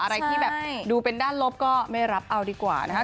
อะไรที่แบบดูเป็นด้านลบก็ไม่รับเอาดีกว่านะคะ